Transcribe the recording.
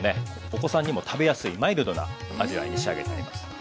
お子さんにも食べやすいマイルドな味わいに仕上げてあります。